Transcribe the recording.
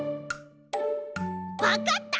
わかった！